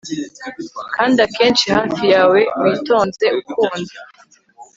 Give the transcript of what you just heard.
kandi akenshi hafi yawe witonze, ukunda